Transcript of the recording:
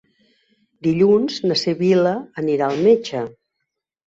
Dilluns na Sibil·la anirà al metge.